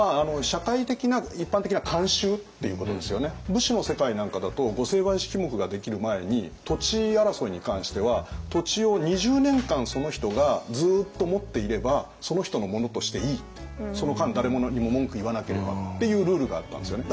武士の世界なんかだと御成敗式目ができる前に土地争いに関しては土地を２０年間その人がずっと持っていればその人のものとしていいってその間誰も何も文句言わなければっていうルールがあったんですよね。